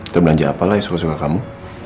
atau belanja apalah yang suka suka kamu